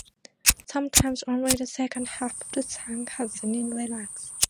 Sometimes, only the second half of the song has any lyrics.